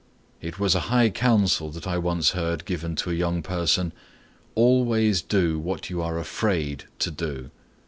It was a high counsel that I once heard given to a young person,—"Always do what you are afraid to do."